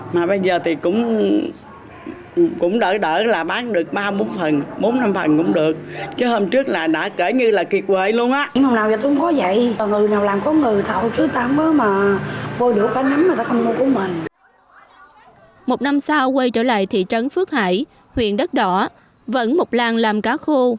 một năm sau quay trở lại thị trấn phước hải huyện đất đỏ vẫn một làng làm cá khô